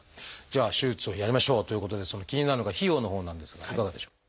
じゃあ手術をやりましょうということで気になるのが費用のほうなんですがいかがでしょう？